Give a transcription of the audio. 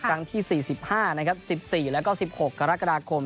ครั้งที่๔๕นะครับ๑๔แล้วก็๑๖กรกฎาคม